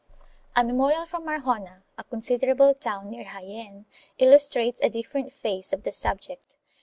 1 A memorial from Arjona, a considerable town near Jaen, illustrates a different phase of the subject.